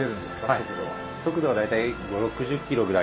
速度は大体５０６０キロぐらいですね。